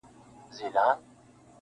ته به مي لوټه د صحرا بولې -